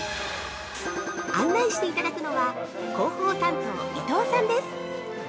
案内していただくのは、広報担当、伊藤さんです！